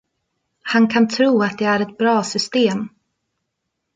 Han kan tro att det är ett bra system!